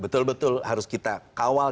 betul betul harus kita kawal